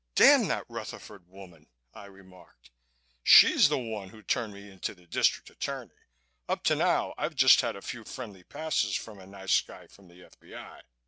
"Damn that Rutherford woman!" I remarked. "She is the one who turned me in to the District Attorney. Up to now I've just had a few friendly passes from a nice guy from the F.B.